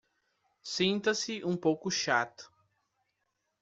Sinta-se um pouco chato